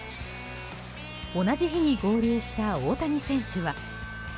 同じ日に合流した大谷選手は。